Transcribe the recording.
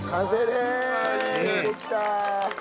できた！